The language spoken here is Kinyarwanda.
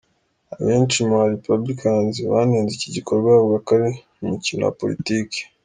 Abenshi mu ba républicains banenze iki gikorwa bavuga ko ari umukino wa politiki.